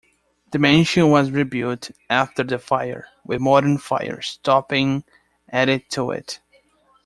The mansion was rebuilt after the fire, with modern fire stopping added to it.